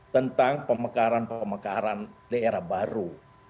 tentang pemekaran pemekaran daerah baru